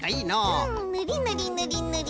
うんぬりぬりぬりぬり。